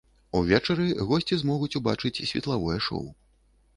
Увечары госці змогуць убачыць светлавое шоў.